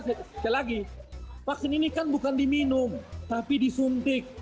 sekali lagi vaksin ini kan bukan diminum tapi disuntik